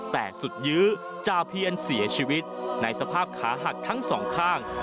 แต่สุดยื้อจาเพียรเสียชีวิตในสภาพขาหักทั้งสองข้าง